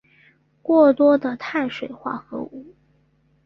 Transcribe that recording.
过多的碳水化合物